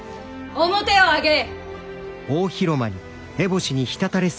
・面を上げい。